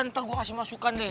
nanti gue kasih masukan deh